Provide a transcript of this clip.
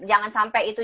jangan sampai itu